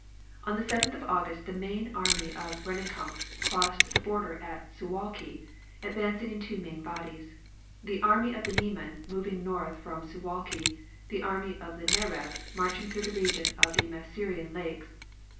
On the 7th of August the main army of Rennenkampf crossed the border at Suwalki, advancing in two main bodies: the Army of the Niemen moving north from Suwalki, the Army of the Narev marching through the region of the Masurian Lakes.